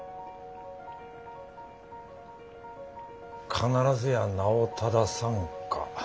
「必ずや名を正さんか」。